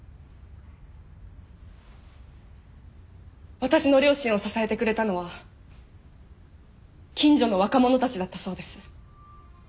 私の両親を支えてくれたのは近所の若者たちだったそうです。